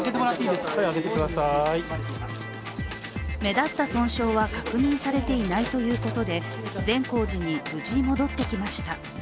目立った損傷は確認されていないということで善光寺に無事戻ってきました。